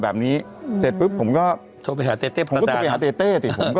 แบบนี้เสร็จปุ๊บผมก็โทรไปหาเตเต้ผมก็โทรไปหาเต้เต้สิผมก็